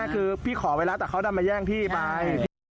คือพี่ขอไว้แล้วแต่เขาดันมาแย่งพี่ไป